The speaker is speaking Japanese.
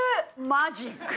マジック！